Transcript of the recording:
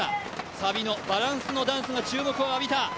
サビのバランスのダンスが注目を浴びた。